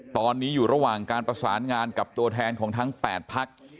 ตอนนี้อยู่ระหว่างการประสานงานกับตัวแทนของทั้ง๘พัก